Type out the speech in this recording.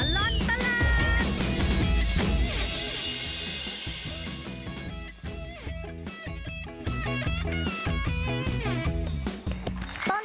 ชั่วตลอดตลาด